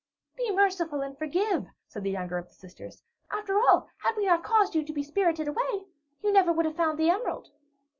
"Be merciful and forgive," said the younger of the sisters. "After all, had we not caused you to be spirited away, you never would have found the emerald."